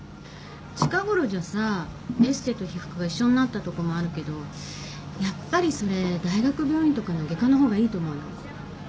近ごろじゃさエステと皮膚科が一緒になったとこもあるけどやっぱりそれ大学病院とかの外科のほうがいいと思うよ。